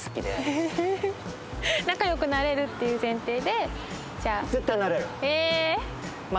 仲良くなれるっていう前提でじゃあ。